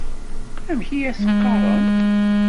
Amek i as-qqaren?